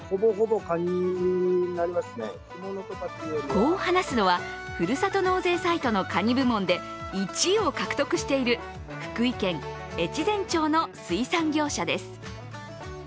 こう話すのは、ふるさと納税サイトのかに部門で１位を獲得している福井県越前町の水産業者です。